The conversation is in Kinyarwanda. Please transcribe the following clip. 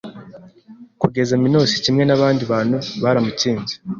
Kugeza Minos kimwe nabandi bantu baramutsinze